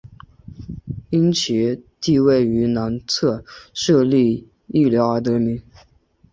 因其地位于南侧设立隘寮而得名。